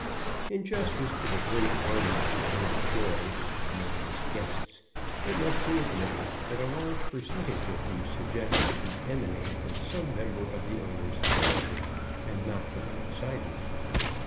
In justice to the Great Army of the Unemployed known as "guests" it must be admitted that a large percentage of these suggestions emanate from some member of the owner's family and not from outsiders.